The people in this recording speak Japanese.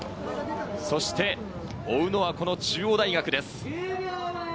そして追うのは、この中央大学です。